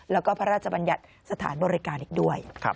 แล้วก็พระราชบัญญัติสถานบริการอีกด้วย